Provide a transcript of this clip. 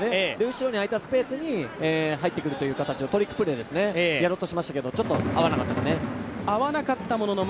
後ろに空いたスペースに入ってくるという形のトリックプレーをやろうとしましたけどちょっと合わなかったですね。